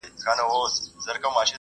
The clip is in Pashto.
لیکل شوی دی او پښتو